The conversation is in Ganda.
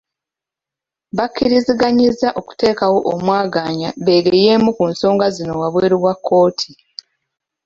Bakkiriziganyizza okuteekawo omwaganya beegeyeemu ku nsonga zino wabweru wa kkooti.